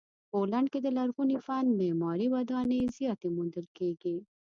پولنډ کې د لرغوني فن معماري ودانۍ زیاتې موندل کیږي.